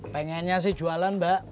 pengennya sih jualan mbak